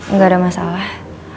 nggak ada masalah